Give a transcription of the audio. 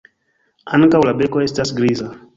Ankaŭ la beko estas griza.